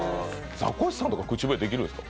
ザコシさんとか口笛できるんですか？